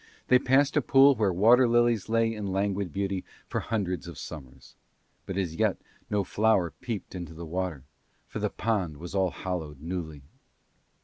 They passed a pool where water lilies lay in languid beauty for hundreds of summers, but as yet no flower peeped into the water, for the pond was all hallowed newly.